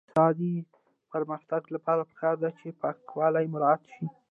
د افغانستان د اقتصادي پرمختګ لپاره پکار ده چې پاکوالی مراعات شي.